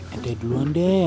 eh teh duluan deh